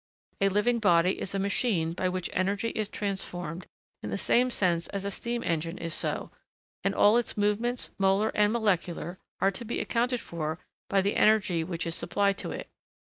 A living body is a machine by which energy is transformed in the same sense as a steam engine is so, and all its movements, molar and molecular, are to be accounted for by the energy which is supplied to it.